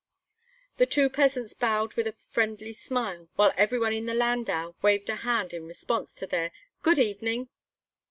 The two peasants bowed with a friendly smile, while everyone in the landau waved a hand in response to their "Good evening."